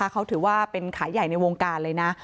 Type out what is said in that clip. เขาถือว่าเป็นขายใหญ่ในวงการเลยนะ